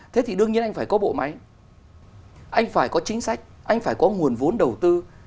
thế thì đương nhiên anh phải có bộ máy anh phải có chính sách anh phải có nguồn vốn đầu tư